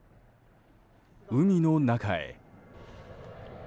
海の中へ。